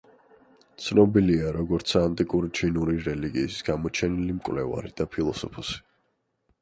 ცნობილია, როგორც ანტიკური ჩინური რელიგიის გამოჩენილი მკვლევარი და ფილოსოფოსი.